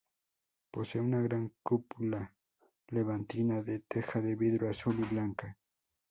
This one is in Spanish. Posee una gran cúpula levantina de teja de vidrio azul y blanca.